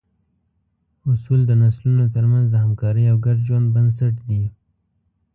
اصول د نسلونو تر منځ د همکارۍ او ګډ ژوند بنسټ دي.